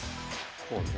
こうね？